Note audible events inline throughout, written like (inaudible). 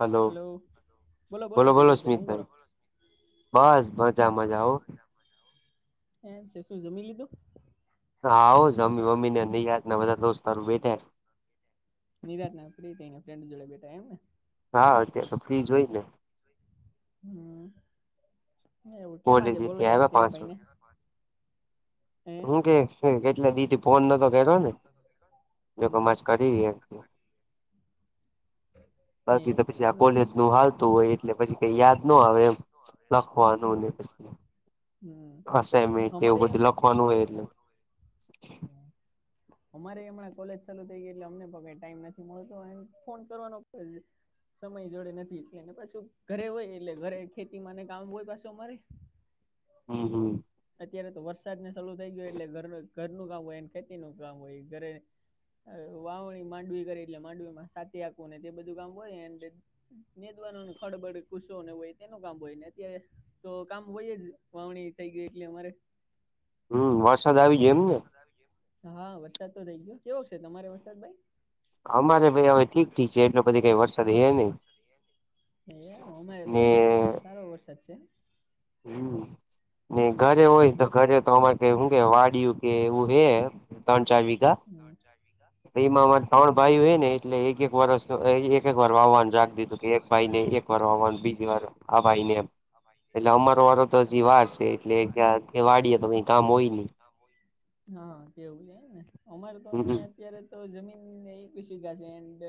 Hello! બોલો બોલો શૈલેષભાઈ હું કરો? સુમિતભાઈ. બસ મજામાં જ આહો એમ છે. શું જમી લીધું? હાઉ જમી બમીને નિરાંતના બધા દોસ્તારું બેયઠાયાશે. નિરાંતના ફ્રી થઈને ફ્રેડ જોડે બેઠા એમને? હા અત્યાંર તો ફ્રી જ હોય ને. હમ્મ. એવું કેમ કોલેજ આજે બોલો થી યાદ આવ્યા કર્યા પાંચ વાગે ભાઈને? હે હું કે હું કેટલા દીથી ફોન નહતો કર્યો ને જો કમ હમ આજ કરીએ બાકી તો એવું છે પછી એમ આ ને? કોલેજ નું હાલતું હોય એટલે પછી કઈ યાદ નો આવે એમ લખવાનું હમ ને પછી હમ અસાયમેન્ટ એવું અમારે બધું લખવાનું હોય એટલે અમારેય હમણાં કોલેજ ચાલુ થઈ ગઈ એટલે અમને પ ટાઈમ નથી મળતો અને ફોન કરવાનો સમય જોડે નથી એટલેને પાછું ઘરે હોય એટલે ઘરે ખેતી માં ને કામ હોય પાછો અમારે. હમ્મ, હમ્મ. અત્યારે તો વરસાદને ચાલુ થઈ ગયો એટલે ઘર ઘરનું કામ હોય ને ખેતીનું કામ હોય ઘરે હ વાવણી માંડવી કરી એટલે માંડવીમાં સાતી આપવું ને તે બધું કામ હોય ન એ નેદવાનો ને ખડબડ ખુશો ને હોય તેનું કામ હોય ને ત્યા તો કામ હોય જ. વાવણી થઈ ગઈ એટલે અમારે હમ્મ, વરસાદ આવી ગયો એમ ને હા વરસાદ તો થઇ ગયો, કેવોક છે તમારે વરસાદ ભાઈ? અમારે ભાઈ હવે ઠીક ઠીક છે, એટલો બધે કઈ વરસાદ હે નઇ. એ અમારે તો અત્યારે તો અયા સારો વરસાદ છે. હમ્મ, ની ઘરે હોય બે તો ઘરે તો અમારે કઇ હું કે વાડીયું કે એવું હે. તન ચાર વીઘા. હમ્મ. (inaudible) એમાં અમારે ત્રણ ભાઈ હોય ને એટલે એક એક વર્ષ એક એક વાર વાવવાનું રાખી દીધું. ભાઈ ને એક છે, વાર વાવવાનું બીજી વાર આ ભાઈ ને એમ. વાર એટલે અમારો વારો તો હજી વાર છે એટલે ક્યાં વાડીએ તો કઈ કામ હોય નહી હા (unintelligible) અમારે તો હમ અત્યારે તો જમીન એકવીસ વીઘા છે એન્ડ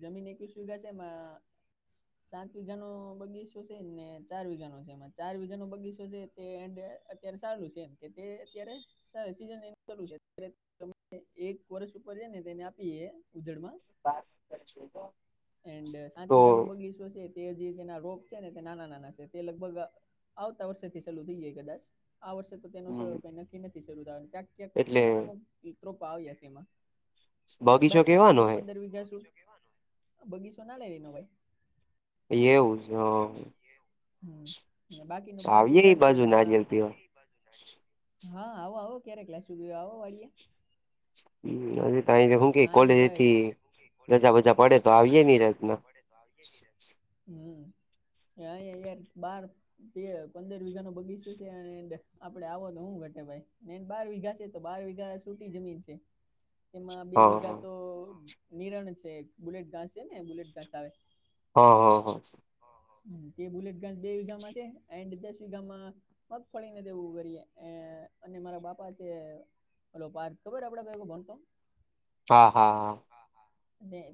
જમીન એકવીસ વીઘા છે ને સાત વિઘા નો બગીસો છે ને ચાર વીઘા નો છે એમાં ચાર વીઘા નો બગીસો છે તે એમ સારુ છે એમ કે તે અત્યારે (unintelligible) સીઝન એ ચાલું છે અ એક વર્ષ ઉપર જ ને તેને આપીએ ઉધડમાં. (unintelligible) એન્ડ સાત તો વીઘા નો બગીસો છે તે જે તેના રોપ છે ને તે નાના નાના છે તે લગભગ આવતા વર્ષે થી ચાલુ થઈ જાય કદાચ, આ વર્ષે (unintelligible) નક્કી નથી શરૂ થ ક્યાંક ક્યાંક એટલે અમુક અમુક ટ્રોપા આવ્યા છે એમાં. બગીચો બાકી તો કેવાનો હે પંદર વિઘા શું બગીસો ના લેન ભાઈ. એવું છે હ. બાકીનું બાર આવીયે વીઘા એ છે બાજુ એમાં નારિયેલ પીવા હા આવો આવો ક્યારેક લસી પીવા આવો વાળિયે. હમ્મ, એની પાહે હું કે હા કોલેજે અહીંયા ગઈ થી રજા બજા પડે તો આવીયે નિરાંતમા. હમ્મ, અહીંયા બાર તે પંદર વીઘા નો બગીચો છે એન્ડ આપડે આવો તો શું ઘટે ભાઈ ઓમ બાર વીઘા છે. તો બાર વીઘા સુટી જમીન છે. એમાં બે હા વિઘા હા તો નિરણ છે, બુલેટ ઘાસ છે ને બુલેટ ઘાસ આવે. હા, હા, હા. તે બુલેટ ઘાસ બે વીઘામાં છે એન્ડ દસ વીઘામાં મગફળી ને એવુ બધુ કરીએ અને મારા બાપા છે ઓલો પાઠ ખબર આપડે ઓલુ ભણતો? હા, હા, હા.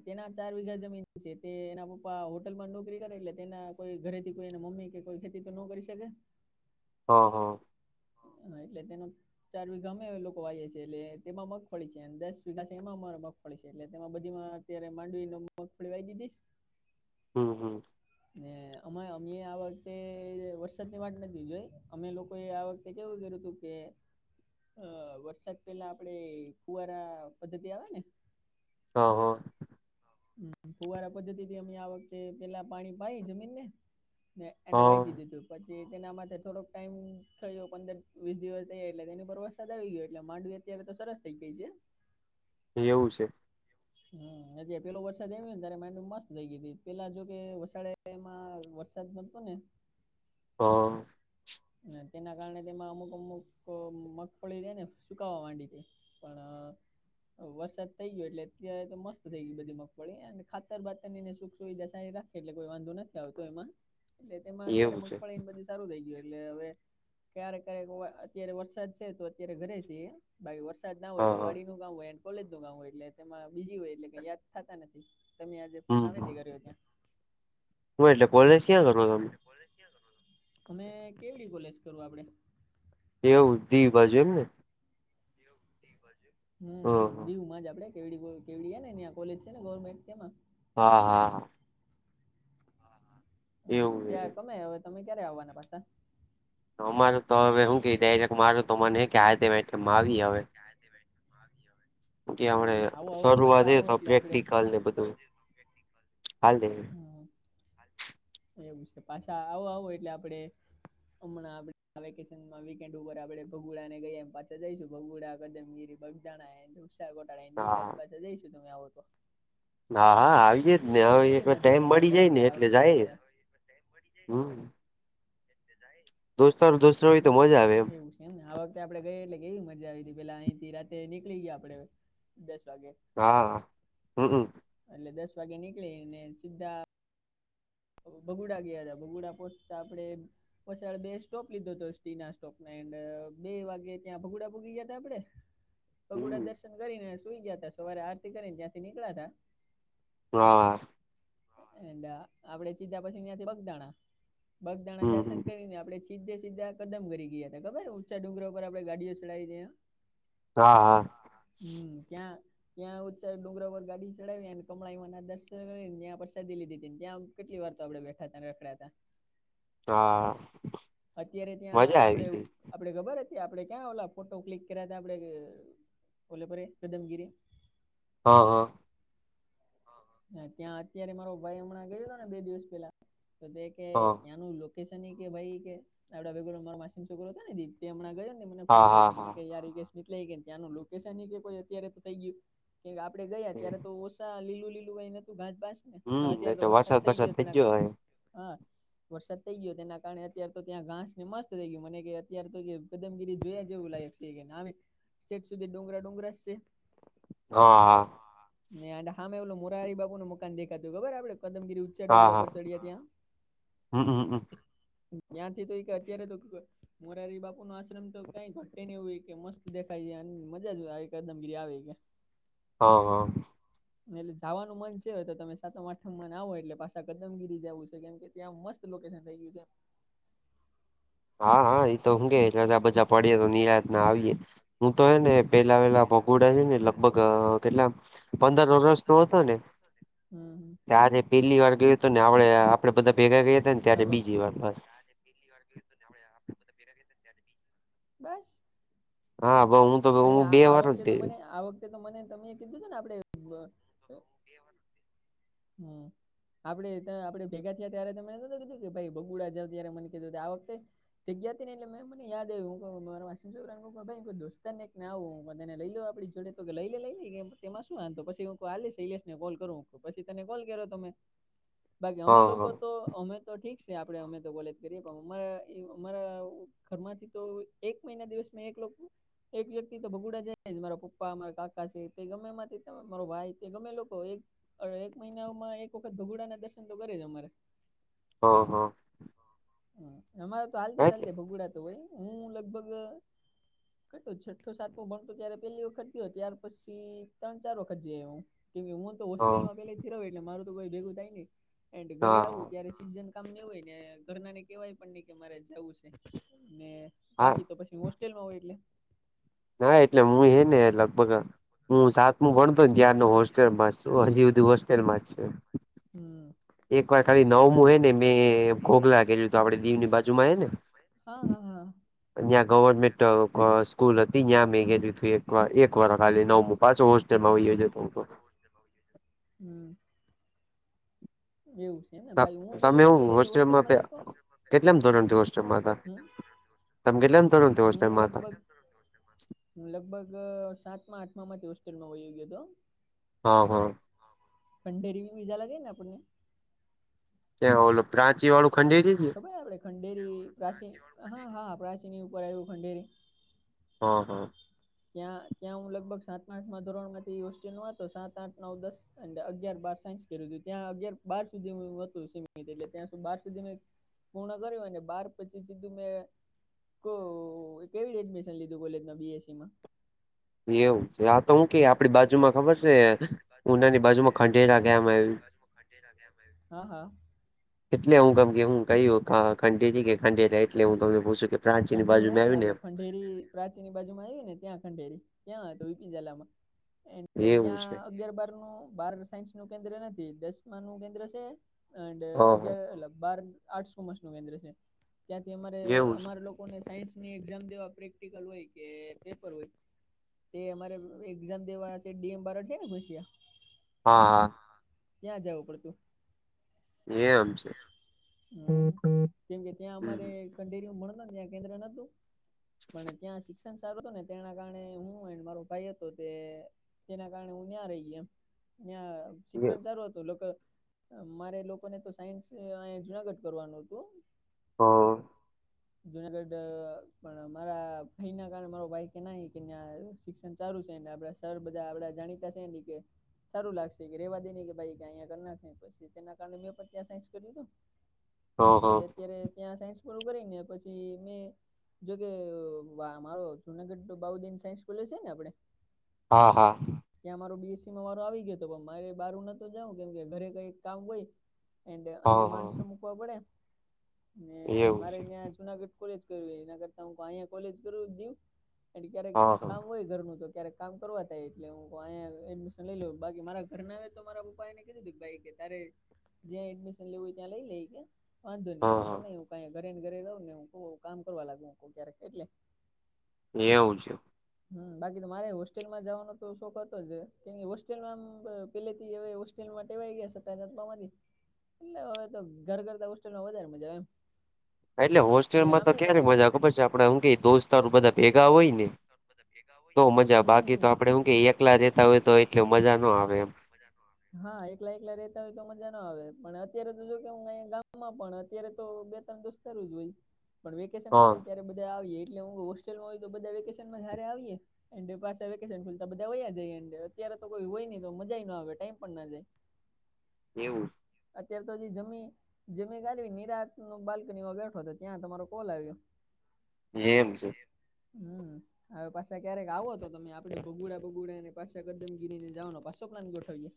તેના ચાર વિઘા જમીન છે તે એના પપ્પા હોટલ માં નોકરી કરે એટલે તેના કોઈ ઘરેથી કોઈ મમ્મી કે કોઈ ખેતી તો ન કરી શકે. હા હા. હા એટલે (unintelligible) ચાર વીઘા અમે લોકો વાઈએ છીએ એટલે તેમાં મગફળી છે દસ વીઘા છે એમાં અ પડે છે એટલે તેમાં બધીમાં અત્યારે માંડવીનો મગફળી વાઈ દીધીશ. હમ્મ હમ્મ. ને અમા અમે આ વખતે વરસાદની વાત નથી જોય અમે લોકો એ આ એ કેવું કર્યું હતું કે અ વરસાદ પેલા આપણે કુવારા પદ્ધતિ આવે ને હ હો. ફુવારા પદ્ધતિથી અમે આ વખતે પેલા પાણી પાય જમીનને ને એને વાય હા દીધું તું પછી તેના માટે થોડોક ટાઈમ થયો પંદર વીસ દિવસ થઈ એટલે તેની પર વરસાદ આવી ગયો એટલે માંડવી અત્યારે તો સરસ થઇ ગઈ છે. એવું છે. હમ અત્યારે પેલો વરસાદ આવ્યોને ત મસ્ત થઈ ગય પેલા જો કે વસાડે એમાં વરસાદ નોતો ને પો અને તેના કારણે તેમાં અમુક અમુક મગફળી હેને સુકાવા માંડી તી પણ અ વરસાદ થઈ ગયા એટલે અત્યારે તો મસ્ત થઈ ગીઈ બધી મગફળી અને ખાતર બાતરને સુખ સુવિધા સારી રાખ એટલે કોઈ વાંધો નથી આવતો એમાં એટલે તેમાં અત્યારે એવું છે મગફળીને બધી સારું થઈ ગયું હે. એટલે હવે ક્યારેક ક્યારેક અત્યારે વરસાદ છે તો અત્યારે ઘરે છીએ. બાકી વરસાદ ના હોય હા તો હા વાડીનું કામ હોય કોલેજનું કામ હોય એટલે તેમાં બીઝી હોય એટલે કઈ યાદ થાતા નથી. તમે આજે ફોન હમ હમ હામેથી કર્યો ત્યાં. હું એટલે કોલેજ કિયા કરો તમે. અમે કેવડી કોલેજ કરું આપણે. એવું દીવ બાજુ એમ ને. હમ્મ હ હમ્મ હા દીવમાં જ આપણે. કેવડી કેવડીને ઇયા કોલેજ છે ને ગવર્મેન્ટ તેમાં. હાં હાં હા. એવું છે ત્યાં તમે હવે તમે ક્યારે આવાના પાસા. અમારું તો હવે હું કે ડાયરેક્ટ મારું તો મને કે હાથે તેમાં આવી એ હવે જાજી (unintelligible) બહારથી આવે. કે હમણે શરૂઆત એ તો આપડે પ્રેક્ટિકલ એ બધું હાલે. હ એવું છે પાછા આવો આવો એટલે આપણે હમણાં વેકેશન વીકએન્ડ ઉપર આપણે ભગોડાને ગઈ એમ પાછા જઈશું ભગોડા કદમીરી બગદાણા હેન ઉસા કોટાળા હા હેન (unintelligible) પાસે જઈશું તમે આવો તો. હા હા આવીયે જ ને હવે કેવી એકવાર મજા ટાઈમ આવી હતી મળી આપડે જાય આગે ને આ એટલે વખતે જાઈએ ગયા હમ્મ. તે જાય દોસ્તાર દોસ્ત હમ્મ એવું છે. એમ ને આ વખતે આપણે ગઈ એટલે કેવી મજા આવીતી પેલા અહીંથી રાત્ર નીકળી ગ્યા આપણે દસ વાગે. હા હમ હમ. એટલે દસ વાગે નીકળી ને સીધા બગુડા ગ્યા હતા બગુડા પોહોચતા આપડે પછી બે સ્ટોપ લીધો હતો સ્ટિના સ્ટોપને એન્ડ બે વાગે ત્યાં ભગુડા પોકી ગ્યા હતા આપડે ભગુડા હમ દર્શન કરીને સુઈ ગ્યા હતા સવારે આરતી કરીને ત્યાંથી નીકળ્યા તા હા. એન્ડ આપડે સીધા પછી ઈયાથી બગદાણા બગદાણા હમ હમ દર્શન કરીને આપડે સીધે સીધા કદમ કરી ગ્યા હતા ખબર ઊંચા ડુંગરા ઉપર આપડે ગાડીઓ ચડાવીતી આ હા હા. હા હમ્મ ત્યાં ક્યાં ઉચા ડુગરા પર ગાડી ચડાવી અને કમળામાંના દર્શન કરીને ત્યાં પ્રસાદી લીધીતી ત્યાં કેટલી વાર તો આપડે બેઠા હતાને રખડ્યા હતા. હા અત્યારે ત્યાં મજા આવી આપડે હતી આપડે ખબર હતી આપડે ક્યાં ઓલા ફોટો ક્લિક કર્યા હતા આપડે અ ઓલે ફરે કદમગીરી હ હ. હ ત્યાં અત્યારે મારો ભાઈ હમણાં ગયો હતો ને બે દિવસ પેલા તો તે કે હા ત્યાંનું લોકેશન કે ભાઈ કે આપડા ભેગો ઉલો મારી માસીન છોકરો હતો ને દી એ હમણાં ગયો તો ને મને ફોન હા આયો હા હતો મને હા યાર (unintelligible) ત્યાંનું લોકેશન એ કે કોઈ અત્યારે તો થઈ ગયું. કે આપડે ગયા ત્યારે તો ઓછા લીલું લીલું કઈ નતું ઘાસબાસ ને અત્યારે તો વરસાદ થઈ ગયો તેના કા હા વરસાદ થઈ ગયો તેના કારણે અત્યારે તો ત્યાં ઘાસ ને મસ્ત થઈ ગયું મને કે અત્યારે તો કદમગીરી જોયા જેવું લાયક છે. એકે ના રે, શેક સુધી ડુંગરા-ડુંગરા જ શે. હા હા. હા ને એન્ડ હામે ઓલુ મોરારી બાબુનું મકાન દેખાતું ખબર આપડે કદમગીરી ઉચ્ચા હા ડુંગરા ઉપર હા ચડીયા ત્યાં, હમમ ત્યાંથી તો એક અત્યારે તો મોરારી બાપુનો આશ્રમ તો કાઈ ઘટેની એવું ઓય કે મસ્ત દેખાય જાય અને મજા જ આવે કદમગીરી આવે કે હ હ. એટલે જાવાનું મન છે, તો તમે સાતમ-આઠમમાં ને આવો એટલે પા છા કદમગીરી જાવું છે, કેમ કે ત્યાં મસ્ત લોકેશન થઈ ગીયું છે. હા હા એ તો હું કેઈ રજા બજા પાળીએ તો નિરાતના આવીએે. હું તો હે ને હમ પેલા વેલા ભગુડા છે ને લગભગ કેટલા પંદર વરસનો હતો ને હમ ત્યારે પેલ્લી વાર ગયું અતું ને આપડે, આપડે બધાં ભેગા ગયા અતા ને ત્યારે હાલો બીજી વાર બસ આજે પેલ્લી વાર ગયુ અતું ને આવડે આપડે ભેગા ગયા અતા ને, બસ? હા બ હું તો હું બે અહીંયા વાર જ આવકતે ગયો તોમોને આવક કતે તો મને તમે કીધું તું ને આપડે બ હમ. આપડે ત્યાં આપડે ભેગા થીયા ત્યારે ત મે તને કીધું કે ભાઈ ભગુડા જાહુ ત્યારે મને કેજો તે આ વખતે તે ગીયા અતા ને એટલે મે મને યાદ આવ્યું, હું કઉ મારા માસીના છોકરાને કઉ કે ભાઇ કોઈ દોસ્તારને એકના આવો તેને લઈ લો આપડી જોડે તો કે લઈલે લઈલે કે તેમાં શું વાંધો પછી હું કોઉ આ લે શૈલેશ ને કોલ કરું પછી તને કોલ કર્યો તો મે, બાકી અમે હા લોકો હા તો અમે તો ઠીક છે, આપડે અમે તો કોલેજ કરીએ પણ અમે એ અમારા ઘરમાંથી તો એક મહિના દિવસમાં એક લોકો એક વ્યક્તિ તો ભગુડા જાય જ, મારો પપ્પા, મારા કાકા સે, તે ગમ્મે એમાથી તો મારો ભાઈ તે ગમે લોકો એક અને એક મહિનામાં એક વખત ભગુડાના દર્શન તો કરે જ અમારે. અ હ હ અમારે તો હાલતે હા એટલે સાંજે ભગુડા તો હોય હું લગભગ કટો છઠ્ઠો-સાતમું ભણતો ત્યારે પેલ્લી વખત ગીયો ત્યાર પછી ત્રણ-ચાર વખત જીઆયવો હું. કેમ કે હું તો હા હોસ્ટેલમાં પેલેથી રઉ એટલે મારું તો કોઈ ભેગું થાય નઈ એન્ડ ઘરે આવું હા ત્યારે સીઝન કામ ને ઓય ને ઘરનાને કેવાય પણ નઈ કે મારે જાવું છે ને હા બાકી તો પછી હોસ્ટેલમાં હોય એટલે ના એટલે હું એ ને લગભગ હું સાતમું ભણતો ત્યારનો હોસ્ટેલમાં છું હજી હુધી હોસ્ટેલમાં જ છ. હમ્મ એક વાર ખાલી નવમું હોય ને મેં ઘોધ લાગેલું હતું આપણે દીવની બાજુમાં હે ને હા, હા, હા. ત્યાં ત્યાં ગવર્મેન્ટ ગવમેન્ટ સ્કૂલ અ-અ હતી ત્યાં સ્કૂલ મેં ગેલું હતું એક હતી વાર એક વાર ખાલી નવમું પાછો (unintelligible) હોસ્ટેલમાં વયો હમ્મ-હમ્મ. એનો જતો હું તો પાછો હોસ્ટેલમાં વય જજે. હમ્મ. એવું છે ને ભાઈ હું તો જો પેહલેથી હોસ્ટલમાં જ હતો. કેમ ધોરણથી હોસ્ટેલમાં હતા? કેમના તમ કેટલામ ધોરણ હું લગભગ હું લગભગ સાતમાં-આઠમામાંથી હોસ્ટેલમાં હોય એવી હતો. અ હ ખંડેરીમાં (unintelligible) લાગે છે ને આપણને? ત્યાં ઓલો પ્રાચીવાળું ખંડેરી જ ને? ખબર ને આપડે ખંડેરી પ્રાસી હા, હા, પ્રાચીની ઉપર આયવુ ખંડેરી. અ હ. ત્યાં ત્યાં હું લગભગ સાતમા આઠમાં ધોરણમાંથી હોસ્ટેલમા હતો સાત, આઠ, નવ, દસ અને અગિયાર, બાર સાયન્સ કર્યું હતું ત્યાં અગયાર-બાર સુધી હું હતો સીમિત એટલે ત્યાં સુ બાર સુધી મે પૂર્ણ કર્યું અને બાર પછી સીધું મેં કો કેવી એડમિશન લીધું કોલેજમાં બીએસસીમાં. એવું છે આ તો હું કે આપણી બાજુમાં ખબર છે ઉનાની બાજુમાં ખંડેલા ગામ આવ્યુ? હા, હા. એટલે હું કામ (unintelligible) કયું ગા ખંડેરી કે ખંઢેરા એટલે હું તમને પૂછ કે પ્રાચીની બાજુમાં આવ્યું ને એમ. બેરી પ્રાચી ની બાજુ માં આયુ ને ત્યાં ખંઢેરી ત્યાં હતો વી પી ઝાલામાં. એ ને એવું છે ન્યાં અગિયાર-બારનું, બાર સાયન્સનું કેન્દ્ર નથી. દસમાનું કેન્દ્ર શે એન્ડ અગયાર હ એલા બાર આર્ટ-કોમર્સનું કેન્દ્ર છે ત્યાંથી અમારે એવું છે અમાર લોક ઓને સાયન્સની એક્ઝામ દેવા પ્રેક્ટિકલ હોય કે પેપર હોય તે અમારે એક્ઝામ દેવા છેક ડીએમ બારડ છે ને કસ્યા હા, હા. ત્યાં જાવું પડતું. એય આમ છે. કેમ કે ત્યાં અમારે હમ ખંડેરીમાં ભણતાને ત્યાં કેન્દ્ર નતું પણ ત્યાં શિ ક્ષણ સારું હતું ને તેના કારણે હું એન્ડ મારો ભાઈ હતો તે તેના કારણે હું ન્યાં રહી ગયો એમ ન્યાં હ હ શિક્ષણ સારું હતું લોકો, મારે લોકોને તો સાયન્સ અય જુનાગઢ કરવાનું હતું. હ જુનાગઢ પણ મારા ભાઈ ના કારણે મારો ભાઈ કે ના ન્યાં સ શિક્ષણ ચારુ છે ને આપડા સર બધા આપડા જાણીતા છે ની કે સારું લાગશે કે રેવા દે ને એ કે ભાઈ કે અહીંયા કર નાખને પીશી તેના કારણે મેં પણ ત્યાં સાઈન્સ કર્યું તું હા એન્ડ અત્યારે ત્યાં સાયન્સ પૂરું કરીને પછી મે જોકે વા મારો જુનાગઢ નો બાઉદદીન સાયન્સ કોલેજ છે ને આપડે હા હા. ત્યાં મારો બીએસસીમાં વારો આવી ગયો હતો, પણ મારે બારું નતું જવું કેમ કે ઘરે કઈ કામ હોય એન્ડ હા અહિયા હા માણસો મૂકવા પડે ને એવું મારે છે ન્યાં જુનાગઢ કોલેજ કરવી હોય એના કરતા હ અયા કોલેજ કરું દવ ક્યારેક હા હા કામ હોય ઘરનું તો ક્યારેક કામ કરવા તાય એટલે હુંયા એડમિશન લઈ લઉ બાકી મારા ઘર ના આવે તો મારા પપા એને કીધું ભાઈ તારે જ્યાં એડમિશન લેવું હોય ત્યાં લઈ લે ઈ કે વાંધો નય હા હું હા કોને એવું કઈ ઘરે ને ઘરે રવ ને હું કામ કરવા લાગુ ક્યારેક એટલે એવું છે. હમ બાકી તો મારે હોસ્ટેલમાં જવાનો તો શોખ હતો જ કેમ હોસ્ટેલમાં આમ પેલે થી હોય હો ટેલ મા ટેવાઈ ગયાશે પેદા થવાથી એટલે હવે તો ઘર કરતા હોસ્ટેલમાં વધારે મજા આવે એમ. એટલે ને હોસ્ટેલમાં તો આમે ક્યારે પણ મજા આવે ખબર છે આપડે હું કેય દોસ્તાર બધા ભેગા હોય ને તો મજા હમ બાકી તો હમ આપડે હું કે એકલા રેતા હોય તો એટલે મજા ન આવે એમ. હા એકલા એકલા રેતા હોય તો મજા ન આવે. પણ અત્યારે તો જો કે હ અંયા ગામમાં પણ અત્યારે તો બે ત્રણ દોસ્તારું જ હોય. પણ હ વેકેશન પડે ને ત્યારે બધા આવીએ એટલે હું હોસ્ટેલમાં હોય તો બધા વેકેશન માં જ હારે આવીએ. એન્ડ પાસા વેકેશન ખુલતા બધા વયા જાયએ એન્ડ અત્યારે તો કોઈ હોય ન તો મજા ના આવે ટાઈમ પણ ના જાય. એવું સ. અત્યાર તો હજી જમી જમી કાલવી નિરાતનો બાલ્કની માં બેઠો તો ત્યાં તમારો કોલ આવ્યો. એમ સે. હમ. હવે પાછા ક્યારેક આવોતો તમે આપડે ભગુડા બગુડા પાછા કદમગીરીને જવાનો પાછો પ્લાન ગોઠવીએ.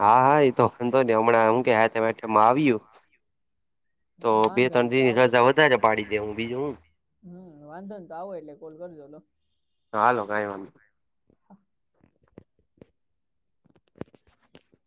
હા હા એ તો હા વાંધો એતો નહી હમણાં હું કે હાથે વાથેમાં હમણાં જ આવ્યું (unintelligible) તો બે વાંધો નય ત્રણ દિ તો ની આવો રજા (unintelligible) વધારે પાડી દે હું બીજું હમ વાંધો નય તો આવો એટલે કોલ કરજો લો હા હાલો કઈ (inaudible)